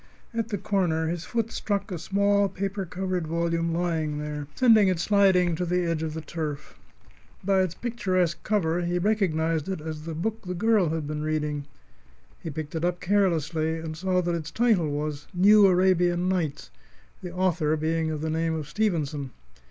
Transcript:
At the corner his foot struck a small, paper covered volume lying there, sending it sliding to the edge of the turf. By its picturesque cover he recognized it as the book the girl had been reading. He picked it up carelessly, and saw that its title was "New Arabian Nights," the author being of the name of Stevenson.